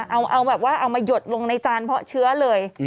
เอาแบบว่าเอามาหยดลงในจานเพาะเชื้อเลย